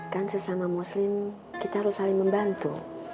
kan sesama muslim kita harus saling membantu